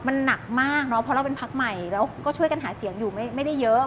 มันหนักมากเนอะเพราะเราเป็นพักใหม่แล้วก็ช่วยกันหาเสียงอยู่ไม่ได้เยอะ